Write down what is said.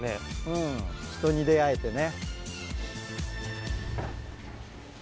うん人に出会えてね。